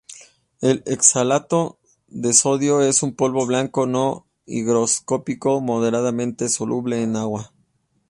El oxalato de sodio es un polvo blanco no higroscópico moderadamente soluble en agua.